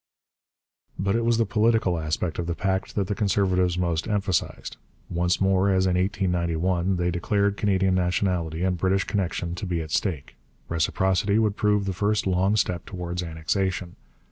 But it was the political aspect of the pact that the Conservatives most emphasized. Once more, as in 1891, they declared Canadian nationality and British connection to be at stake. Reciprocity would prove the first long step towards annexation.